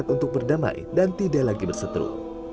untuk berdamai dan tidak lagi berseteru